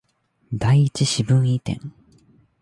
第一四分位点